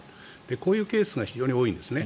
こういうケースが非常に多いんですね。